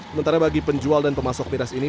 sementara bagi penjual dan pemasok miras ini